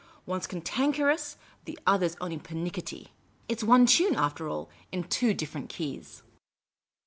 One 's cantanker ous ; the other 's only pernicketty. It 's one tune, after all, in two different key.s."